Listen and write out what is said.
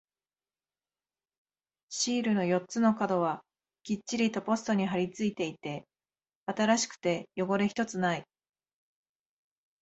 シールの四つの角はきっちりとポストに貼り付いていて、新しくて汚れ一つない。